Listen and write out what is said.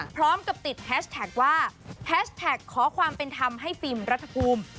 พร้อมกับติดแฮชแท็กว่าแฮชแท็กขอความเป็นธรรมให้ฟิล์มรัฐภูมิ